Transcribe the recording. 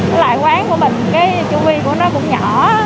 cái loại quán của mình cái chu vi của nó cũng nhỏ